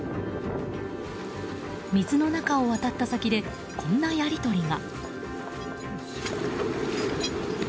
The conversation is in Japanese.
水の中を渡った先でこんなやり取りが。